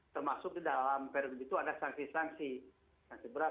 tentang perda ini keluar